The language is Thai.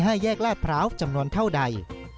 แยกลาดพร้าวจำนวนเท่าใด